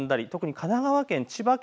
特に神奈川県、千葉県